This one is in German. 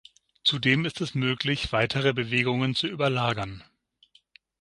Zudem ist es möglich, weitere Bewegungen zu überlagern.